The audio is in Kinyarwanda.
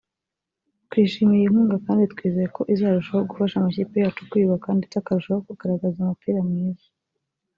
“Twishimiye iyi nkunga kandi twizeye ko izarushaho gufasha amakipe yacu kwiyubaka ndeste akarushaho kugaragaza umupira mwiza